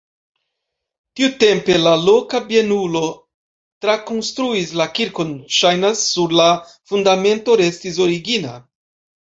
Tiutempe la loka bienulo trakonstruis la kirkon, ŝajnas, nur la fundamento restis origina.